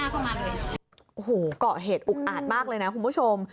พอพื้นจี้คนนึงเดินอ้อนมาข้างหลังไปเท่าไหร่